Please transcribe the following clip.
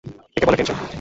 একে বলে টেনশন।